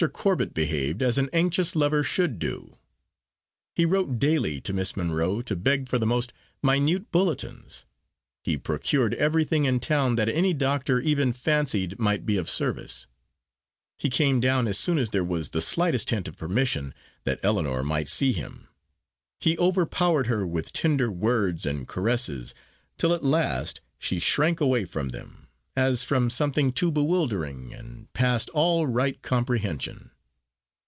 Corbet behaved as an anxious lover should do. He wrote daily to Miss Monro to beg for the most minute bulletins; he procured everything in town that any doctor even fancied might be of service, he came down as soon as there was the slightest hint of permission that Ellinor might see him. He overpowered her with tender words and caresses, till at last she shrank away from them, as from something too bewildering, and past all right comprehension.